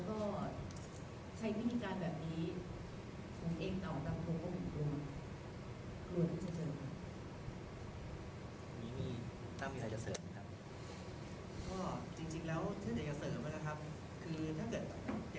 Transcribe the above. ก็เลยแล้วว่าทีมงานเองก็มีความมีเจ็ดจำนวงที่เสนอไปแล้วด้วยว่าเชิญท่านมาออกรายการหรือคุย